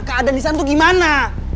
keadaan disana itu gimana